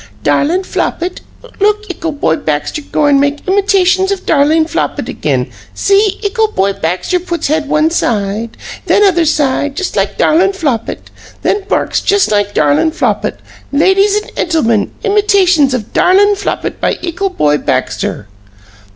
"Darlin' Flopit, look! Ickle boy Baxter goin' make imitations of darlin' Flopit again. See! Ickle boy Baxter puts head one side, then other side, just like darlin' Flopit. Then barks just like darlin' Flopit! Ladies and 'entlemen, imitations of darlin' Flopit by ickle boy Baxter."